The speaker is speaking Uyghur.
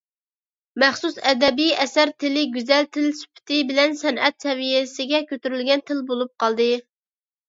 مەخسۇس ئەدەبىي ئەسەر تىلى گۈزەل تىل سۈپىتى بىلەن سەنئەت سەۋىيىسىگە كۆتۈرۈلگەن تىل بولۇپ قالدى.